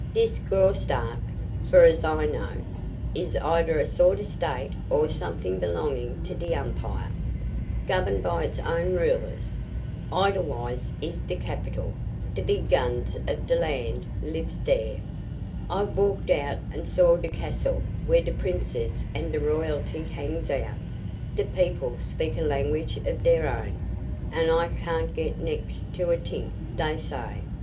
"Dis Graustark, 's fer as I know, is eeder a sort o' state or somet'ing belongin' to de Umpire, governed by it's own rulers. Edelweiss is de capital, d' big guns of d' land lives dere. I've walked out and saw d' castle where d' Princess and d' royalty hangs out. D' people speak a language of deir own, and I can't get next to a t'ink dey say.